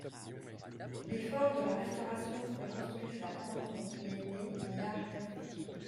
L'effort de la Restauration pour reconstruire la grande propriété n'y a rien fait.